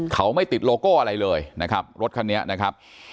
เขาไม่ติดโลโก้อะไรเลยนะครับรถคันนี้นะครับ